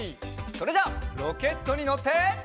それじゃあロケットにのって。